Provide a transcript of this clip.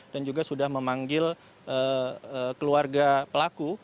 dan juga sudah memanggil keluarga pelaku